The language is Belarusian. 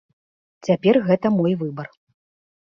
Цяпер гэта мой выбар.